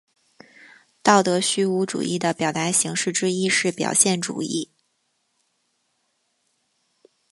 道德虚无主义的表达形式之一是表现主义。